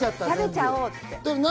食べちゃおうって。